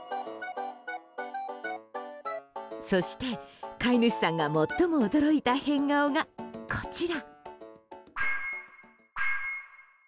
そして、飼い主さんが最も驚いた変顔がこちら。